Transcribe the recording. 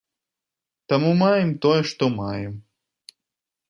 Таму маем тое, што маем.